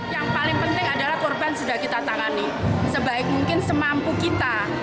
yang paling penting adalah korban sudah kita tangani sebaik mungkin semampu kita